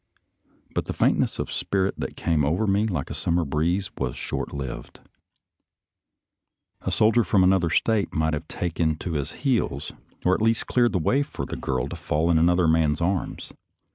But the faintness of spirit that came over me like a summer breeze, was as short lived. A A FLIGHT TO ARMS 213 soldier from another State might have taken to his heels, or at least cleared the way for the girl to fall in another man's arms.